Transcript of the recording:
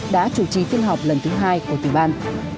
đã chủ trì phiên họp lần thứ hai của tiểu ban